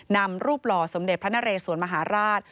นำรูปหล่อสมเด็จพระนเรสวนมหาราช